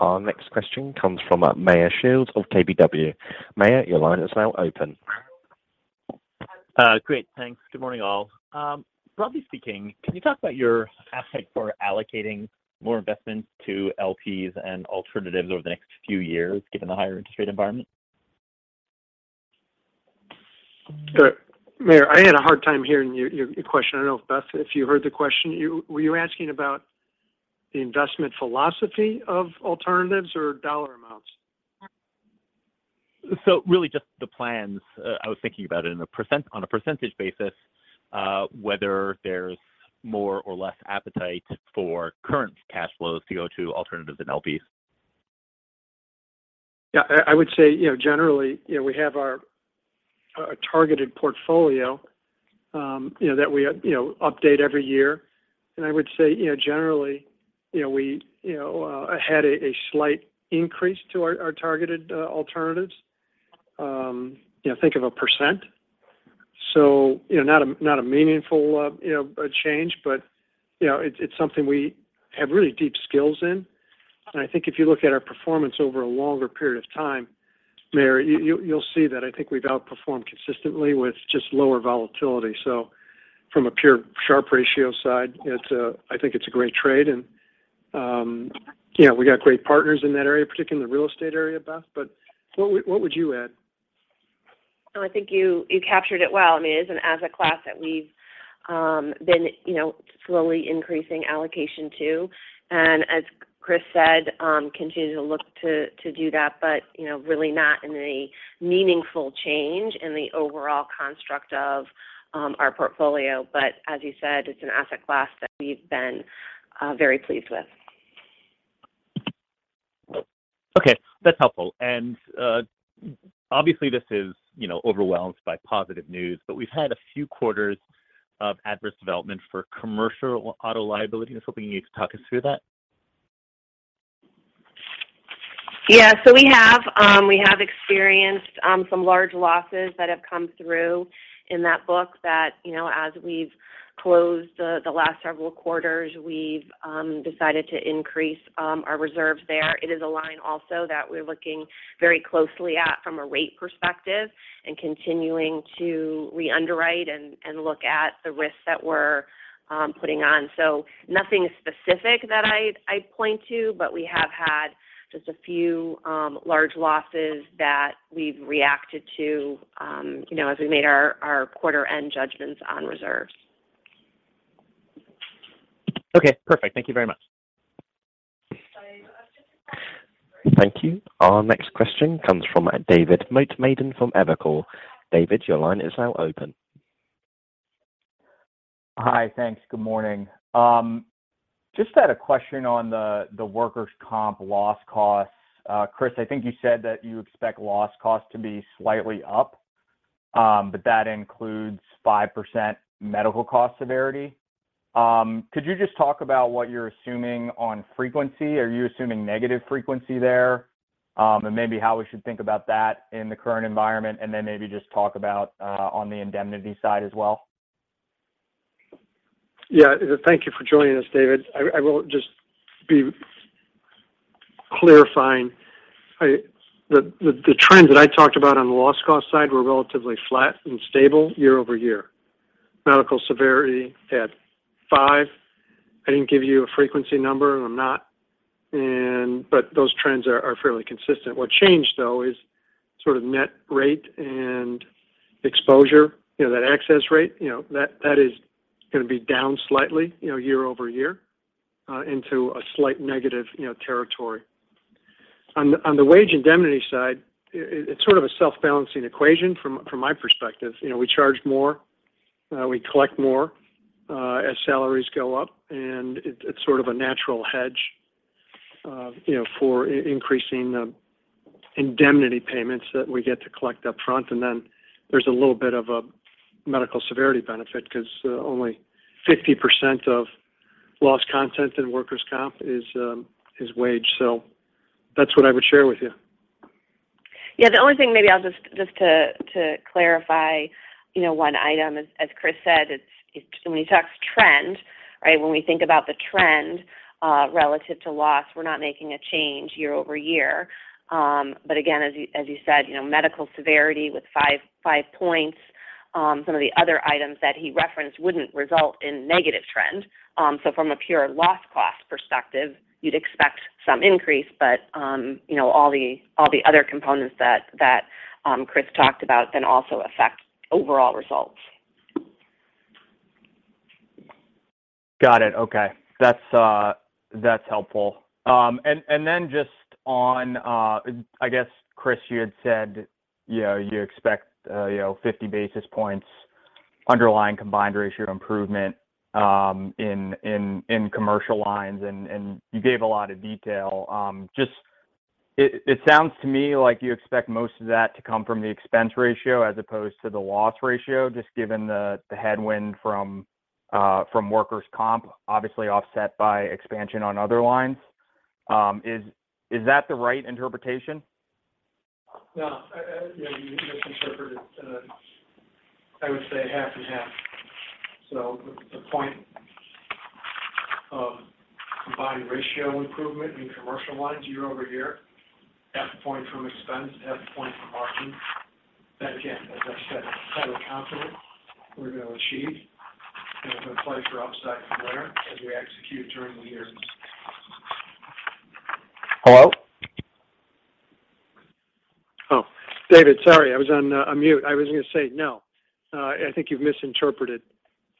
Our next question comes from Meyer Shields of KBW. Meyer, your line is now open. Great, thanks. Good morning, all. Broadly speaking, can you talk about your appetite for allocating more investments to LPs and alternatives over the next few years, given the higher interest rate environment? Sure. Meyer, I had a hard time hearing your question. I don't know if Beth you heard the question. Were you asking about the investment philosophy of alternatives or dollar amounts? Really just the plans. I was thinking about it on a percentage basis, whether there's more or less appetite for current cash flows to go to alternatives in LPs. Yeah. I would say, you know, generally, you know, we have our, a targeted portfolio, you know, that we, you know, update every year. I would say, you know, generally, you know, we, had a slight increase to our targeted, alternatives. You know, think of 1%. Not a, not a meaningful, you know, change, but, you know, it's something we have really deep skills in. I think if you look at our performance over a longer period of time, Meyer, you'll see that I think we've outperformed consistently with just lower volatility. From a pure sharp ratio side, it's, I think it's a great trade, and, you know, we got great partners in that area, particularly in the real estate area, Beth, what would you add? I think you captured it well. I mean, it is an asset class that we've been, you know, slowly increasing allocation to, as Chris said, continue to look to do that, but, you know, really not in a meaningful change in the overall construct of our portfolio. As you said, it's an asset class that we've been very pleased with. Okay, that's helpful. Obviously, this is, you know, overwhelmed by positive news, but we've had a few quarters of adverse development for commercial auto liability and something. Can you talk us through that? We have experienced some large losses that have come through in that book that, you know, as we've closed the last several quarters, we've decided to increase our reserves there. It is a line also that we're looking very closely at from a rate perspective and continuing to re-underwrite and look at the risks that we're putting on. Nothing specific that I'd point to, but we have had just a few large losses that we've reacted to, you know, as we made our quarter-end judgments on reserves. Okay, perfect. Thank you very much. Thank you. Our next question comes from David Motemaden from Evercore. David, your line is now open. Hi. Thanks. Good morning. Just had a question on the workers' comp loss costs. Chris, I think you said that you expect loss costs to be slightly up, but that includes 5% medical cost severity. Could you just talk about what you're assuming on frequency? Are you assuming negative frequency there? And maybe how we should think about that in the current environment, and then maybe just talk about on the indemnity side as well. Thank you for joining us, David. I will just be clarifying. The trends that I talked about on the loss cost side were relatively flat and stable year-over-year. Medical severity at 5%. I didn't give you a frequency number, and I'm not. Those trends are fairly consistent. What changed though is sort of net rate and exposure. You know, that excess rate, you know, that is gonna be down slightly, you know, year-over-year, into a slight negative, you know, territory. On the wage indemnity side, it's sort of a self-balancing equation from my perspective. You know, we charge more, we collect more, as salaries go up, and it's sort of a natural hedge, you know, for increasing the indemnity payments that we get to collect upfront. There's a little bit of a medical severity benefit 'cause only 50% of lost content in workers' comp is wage. That's what I would share with you. Yeah. The only thing maybe I'll just to clarify, you know, one item as Chris said. When he talks about trend, right, when we think about the trend, relative to loss, we're not making a change year-over-year. Again, as you said, you know, medical severity with 5 points, some of the other items that he referenced wouldn't result in a negative trend. From a pure loss cost perspective, you'd expect some increase. You know, all the other components that Chris talked about then also affect the overall results. Got it. Okay. That's helpful. Just on, I guess, Chris, you had said, you know, you expect, you know, 50 basis points underlying combined ratio improvement in commercial lines and you gave a lot of detail. Just it sounds to me like you expect most of that to come from the expense ratio as opposed to the loss ratio, just given the headwind from workers' comp, obviously offset by expansion on other lines. Is that the right interpretation? No. Yeah, you misinterpreted. I would say half and half. A point of combined ratio improvement in commercial lines year-over-year, half a point from expense, half a point from margin. Again, as I said, highly confident we're gonna achieve, and we're gonna play for upside from there as we execute during the year. Hello? David, sorry. I was on unmute. I was gonna say no. I think you've misinterpreted.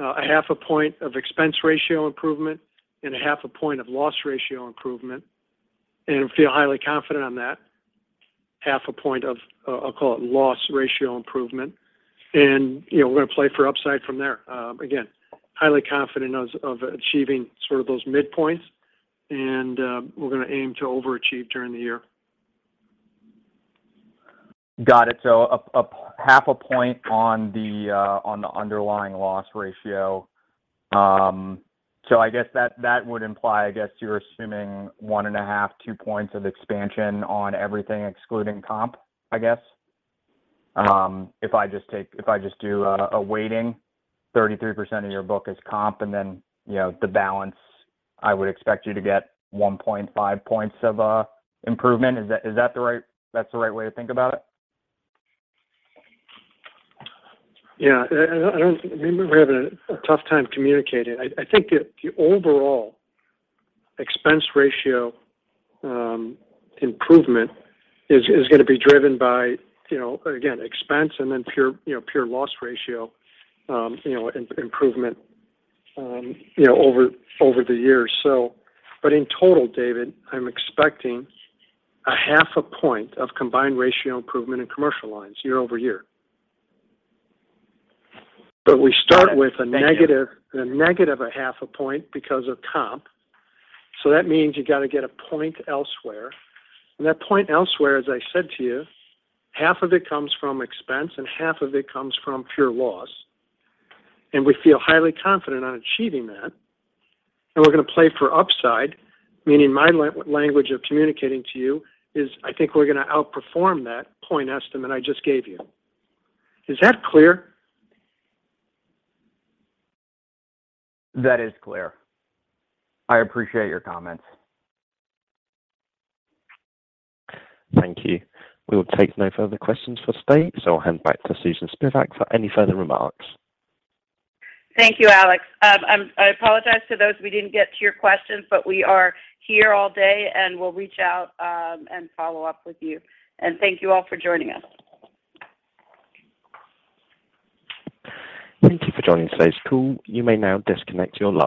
A half a point of expense ratio improvement and a half a point of loss ratio improvement, and feel highly confident on that. Half a point of I'll call it loss ratio improvement. You know, we're gonna play for upside from there. Again, highly confident of achieving sort of those midpoints and we're gonna aim to overachieve during the year. Got it. A half a point on the underlying loss ratio. I guess that would imply, I guess, you're assuming 1.5, 2 points of expansion on everything excluding comp, I guess. If I just do a weighting, 33% of your book is comp and then, you know, the balance, I would expect you to get 1.5 points of improvement. Is that the right way to think about it? Yeah. I don't... Maybe we're having a tough time communicating. I think the overall expense ratio, improvement is gonna be driven by, you know, again, expense and then pure, you know, pure loss ratio, you know, improvement, you know, over the years. In total, David, I'm expecting a half a point of combined ratio improvement in commercial lines year-over-year. we start with- Got it. Thank you. a negative half a point because of comp. That means you got to get a point elsewhere. That point elsewhere, as I said to you, half of it comes from expense and half of it comes from pure loss. We feel highly confident on achieving that. We're gonna play for upside, meaning my language of communicating to you is, I think we're gonna outperform that point estimate I just gave you. Is that clear? That is clear. I appreciate your comments. Thank you. We'll take no further questions for today, so I'll hand back to Susan Spivak for any further remarks. Thank you, Alex. I apologize to those we didn't get to your questions. We are here all day, and we'll reach out and follow up with you. Thank you all for joining us. Thank you for joining today's call. You may now disconnect your line.